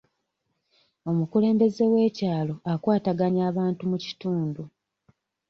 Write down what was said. Omukulembeze w'ekyalo akwataganya abantu mu kitundu.